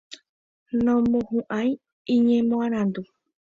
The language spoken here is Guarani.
Nomohu'ãi iñemoarandu.